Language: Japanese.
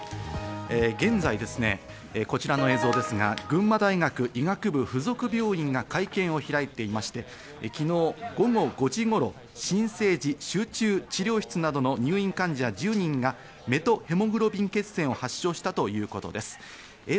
現在ですね、こちらの映像ですが群馬大学医学部付属病院が会見を開いていまして、昨日午後５時頃、新生児集中治療室などの入院患者１０人がメトヘモグロビン血症を発症したということです。